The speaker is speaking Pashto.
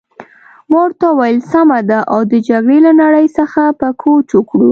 ما ورته وویل: سمه ده، او د جګړې له نړۍ څخه به کوچ وکړو.